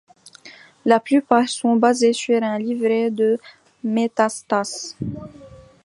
La plupart sont basés sur un livret de Métastase.